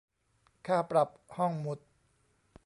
ค่าปรับห้องหมุด